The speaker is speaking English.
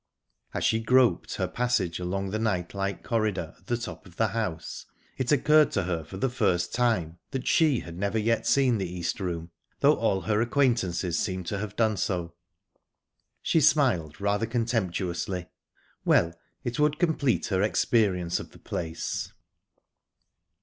As she groped her passage along the nightlike corridor at the top of the house, it occurred to her for the first time that she had never yet seen the East Room, though all her acquaintances seemed to have done so. She smiled rather contemptuously. Well, it would complete her experience of the place!